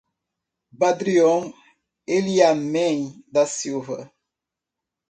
Badrion Eliamen da Silva